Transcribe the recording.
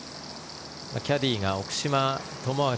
キャディーが奥嶋誠昭